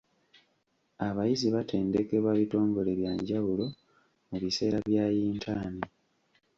Abayizi batendekebwa bitongole bya njawulo mu biseera bya yintaani.